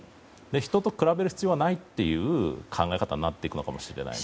人と比べる必要はないという考え方になっていくかもしれない。